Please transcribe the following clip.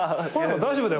大丈夫だよ